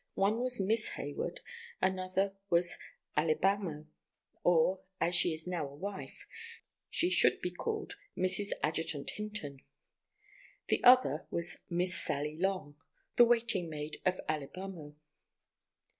One was Miss Hayward; another was Alibamo, or, as she is now a wife, she should be called Mrs. Adjutant Hinton; the other was Miss Sally Long, the waiting maid of Alibamo.